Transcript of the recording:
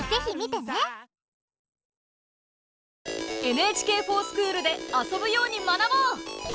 「ＮＨＫｆｏｒＳｃｈｏｏｌ」で遊ぶように学ぼう！